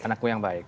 anakku yang baik